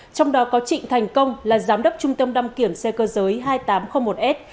trong đó có trịnh thành công là giám đốc trung tâm đăng kiểm xe cơ giới hai nghìn tám trăm linh một s